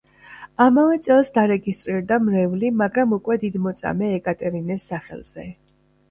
ამავე წელს დარეგისტრირდა მრევლი, მაგრამ უკვე დიდმოწამე ეკატერინეს სახელზე.